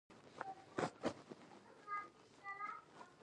هیڅ مخالفه ساینسي قاعده به څوک ثابته نه کړي.